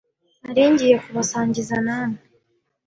Nari ngiye kubisangiza nawe.